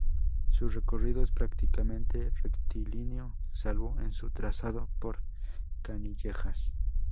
Su recorrido es prácticamente rectilíneo salvo en su trazado por Canillejas.